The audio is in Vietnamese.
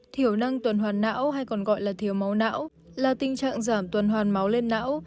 thiểu năng tuần hoàn não hay còn gọi là thiếu máu não là tình trạng giảm tuần hoàn máu lên não